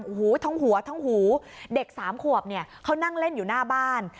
โอ้โหทั้งหัวทั้งหูเด็กสามขวบเนี่ยเขานั่งเล่นอยู่หน้าบ้าน